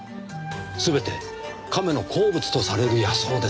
全てカメの好物とされる野草です。